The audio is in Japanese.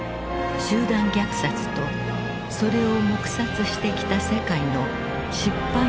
集団虐殺とそれを黙殺してきた世界の失敗の物語である。